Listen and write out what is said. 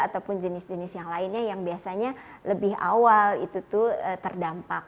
ataupun jenis jenis yang lainnya yang biasanya lebih awal itu tuh terdampak